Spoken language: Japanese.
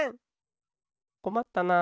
こまったな。